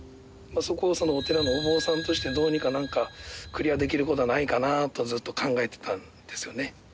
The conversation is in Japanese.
そこをお寺のお坊さんとしてどうにかなんかクリアできる事はないかな？とずっと考えてたんですよね。